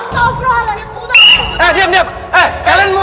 kalian mau saya kasihkan domo ya